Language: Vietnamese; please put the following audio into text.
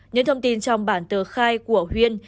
những thông tin trong bản tờ khai của huyên